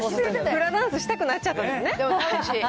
フラダンスしたくなっちゃったんですね。